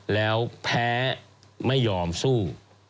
แล้วแพ้ไม่ยอมสู้